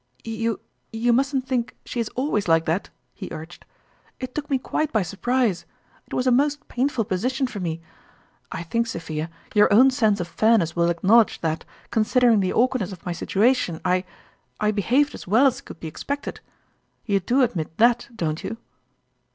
" You you musn't think she is always like that," he urged. " It took me quite by surprise it was a most painful position for me. I think, Sophia, your own sense of fair ness w T ill acknowledge that, considering the awkwardness of my situation, I I behaved as well as could be expected. You do admit that, don't you